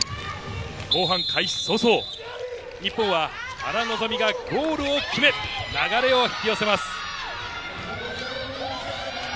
後半開始早々、日本は原希美がゴールを決め、流れを引き寄せます。